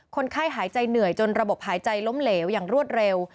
คนไข้หายใจเหนื่อยจนระบบหายใจล้มเหลวอย่างรวดเร็ว